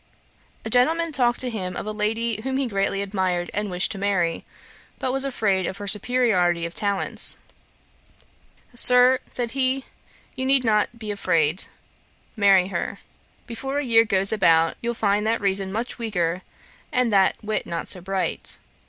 A gentleman talked to him of a lady whom he greatly admired and wished to marry, but was afraid of her superiority of talents. 'Sir, (said he) you need not be afraid; marry her. Before a year goes about, you'll find that reason much weaker, and that wit not so bright.'